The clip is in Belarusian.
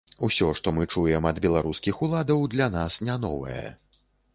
Усё, што мы чуем ад беларускіх уладаў, для нас не новае.